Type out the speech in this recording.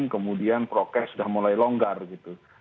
kemudian prokes sudah mulai longgar gitu